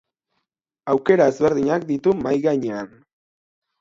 Aukera ezberdinak ditu mahai gainean.